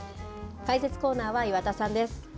解説コーナーは岩田さんです。